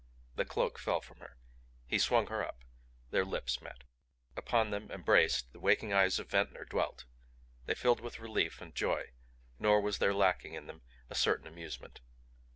The cloak fell from her. He swung her up. Their lips met. Upon them, embraced, the wakening eyes of Ventnor dwelt; they filled with relief and joy, nor was there lacking in them a certain amusement.